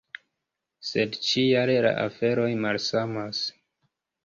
Sed ĉi-jare la aferoj malsamas.